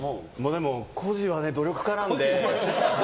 でも、こじは努力家なので。